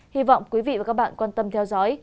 hy vọng quý vị và các bạn quan tâm theo dõi